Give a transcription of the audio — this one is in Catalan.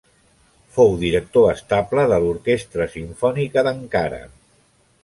Fou director estable de l'Orquestra Simfònica d'Ankara.